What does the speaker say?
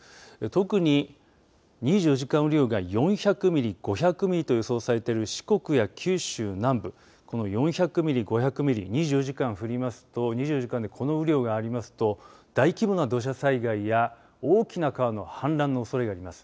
特に２４時間雨量が４００ミリ、５００ミリと予想されている四国や九州南部この４００ミリ、５００ミリ２４時間降りますと２４時間でこの雨量がありますと大規模な土砂災害や大きな川の氾濫のおそれがあります。